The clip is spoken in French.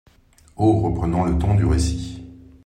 Haut, reprenant le ton du récit.